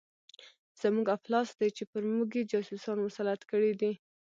زموږ افلاس دی چې پر موږ یې جاسوسان مسلط کړي دي.